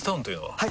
はい！